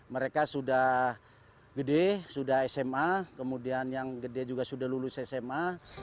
mereka sudah gede sudah sma kemudian yang gede juga sudah lulus sma